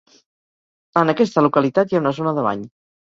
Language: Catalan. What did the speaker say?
En aquesta localitat hi ha una zona de bany.